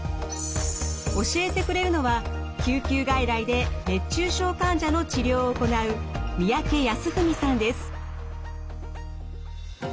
教えてくれるのは救急外来で熱中症患者の治療を行う三宅康史さんです。